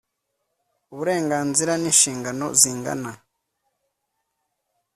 Uburenganzira n inshingano zingana